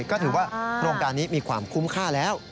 ก็ถือว่าโครงการนี้มีความคุ้มค่าแล้ว